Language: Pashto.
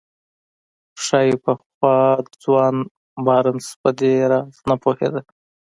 ښايي پخوا ځوان بارنس په دې راز نه پوهېده.